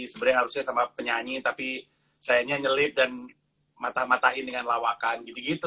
sebenarnya harusnya sama penyanyi tapi sayangnya nyelip dan matah matahin dengan lawakan gitu gitu